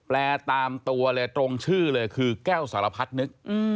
ตามตัวเลยตรงชื่อเลยคือแก้วสารพัดนึก